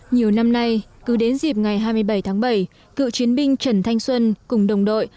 nhiều năm nay cứ đến dịp ngày hai mươi bảy tháng bảy cựu chiến binh trần thanh xuân cùng đồng đội